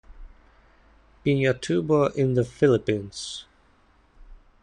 Pinatubo in the Philippines.